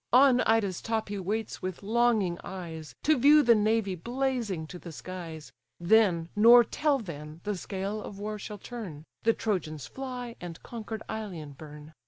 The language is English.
On Ida's top he waits with longing eyes, To view the navy blazing to the skies; Then, nor till then, the scale of war shall turn, The Trojans fly, and conquer'd Ilion burn.